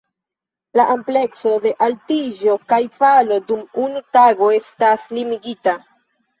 La amplekso de altiĝo kaj falo dum unu tago estas limigita.